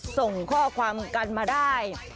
ส่งข้อความกันมาได้